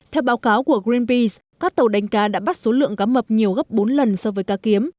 theo báo cáo của greenpeace các tàu đánh cá đã bắt số lượng cá mập nhiều gấp bốn lần so với cá kiếm